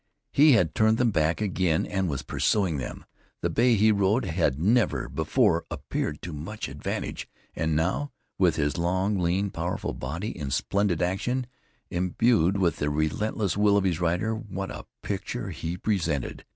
He had turned them back again and was pursuing them. The bay he rode had never before appeared to much advantage, and now, with his long, lean, powerful body in splendid action, imbued with the relentless will of his rider, what a picture he presented!